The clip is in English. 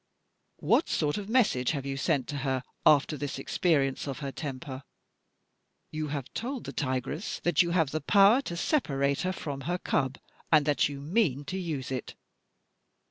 What sort of message have you sent to her, after this experience of her temper? You have told the tigress that you have the power to separate her from her cub, and that you mean to use it.